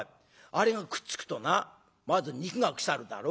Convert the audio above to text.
あれがくっつくとなまず肉が腐るだろう？